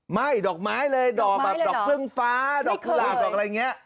้ดอกไม้เลยดอกแบบดอกพึ่งฟ้าดอกกุหลาบดอกอะไรอย่างนี้